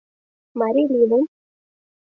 Марий лӱмым.